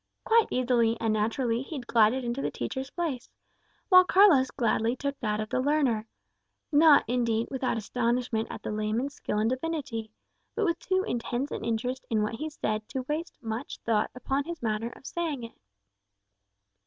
Quite easily and naturally he glided into the teacher's place, whilst Carlos gladly took that of the learner; not, indeed, without astonishment at the layman's skill in divinity, but with too intense an interest in what he said to waste much thought upon his manner of saying it.